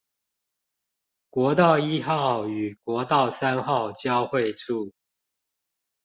國道一號與國道三號交會處